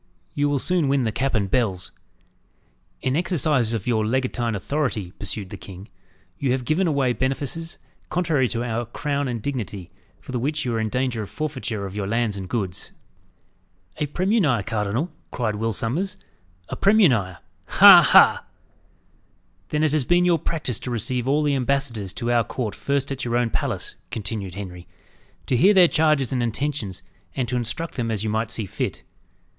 "You will soon win the cap and bells." "In exercise of your legatine authority," pursued the king, "you have given away benefices contrary to our crown and dignity, for the which you are in danger of forfeiture of your lands and goods." "A premunire, cardinal," cried Will Sommers. "A premunire! ha! ha!" "Then it has been your practice to receive all the ambassadors to our court first at your own palace," continued Henry, "to hear their charges and intentions, and to instruct them as you might see fit.